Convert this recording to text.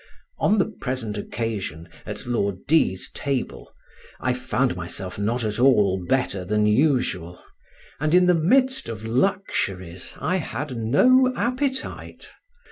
On the present occasion, at Lord D 's table, I found myself not at all better than usual, and in the midst of luxuries I had no appetite.